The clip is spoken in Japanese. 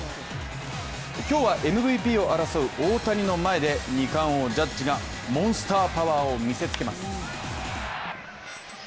今日はＭＶＰを争う大谷の前で２冠王ジャッジがモンスターパワーを見せつけます。